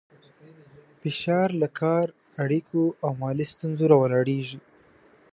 فشار له کار، اړیکو او مالي ستونزو راولاړېږي.